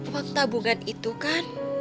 uang tabungan itu kan